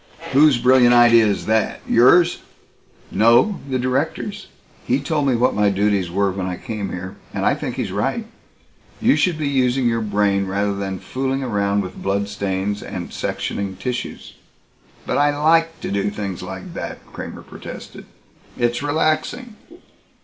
"Whose brilliant idea is that? Yours?" "No the Director's. He told me what my duties were when I came here. And I think he's right. You should be using your brain rather than fooling around with blood stains and sectioning tissues." "But I like to do things like that," Kramer protested. "It's relaxing."